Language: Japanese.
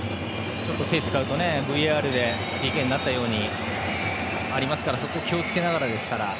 手を使うとＶＡＲでＰＫになったこともありますからそこを気をつけながらですから。